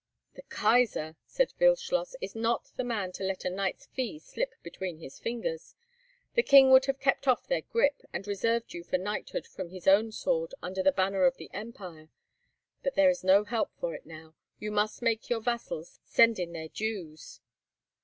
"The Kaisar," said Wildschloss, "is not the man to let a knight's fee slip between his fingers. The king would have kept off their grip, and reserved you for knighthood from his own sword under the banner of the empire; but there is no help for it now, and you must make your vassals send in their dues."